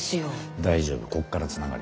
大丈夫こっからつながります。